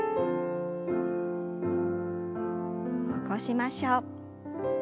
起こしましょう。